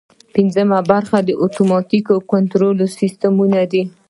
پنځمه برخه د اتوماتیک کنټرول سیسټمونه دي.